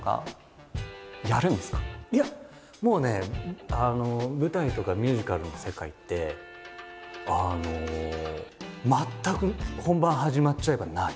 いやもうね舞台とかミュージカルの世界って全く本番始まっちゃえばない。